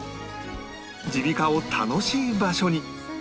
耳鼻科を楽しい場所に